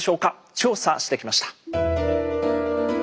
調査してきました。